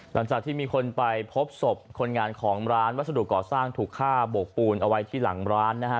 หลังจากที่มีคนไปพบศพคนงานของร้านวัสดุก่อสร้างถูกฆ่าโบกปูนเอาไว้ที่หลังร้านนะฮะ